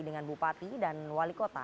dengan bupati dan wali kota